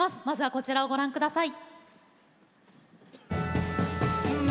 こちらをご覧ください。